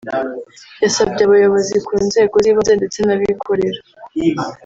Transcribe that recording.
yasabye abayobozi ku nzego z’ibanze ndetse n’abikorera